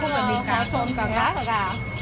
chứ không phải bình cá sôn cá cá cá cả